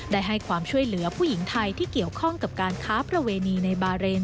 ได้ให้ความช่วยเหลือผู้หญิงไทยที่เกี่ยวข้องกับการค้าประเวณีในบาเรน